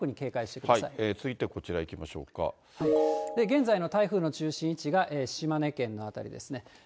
続いてはこちらいきましょう現在の台風の中心位置が、島根県の辺りですね。